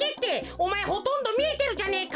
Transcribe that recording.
おまえほとんどみえてるじゃねえか。